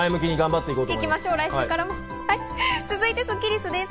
続いてスッキりすです。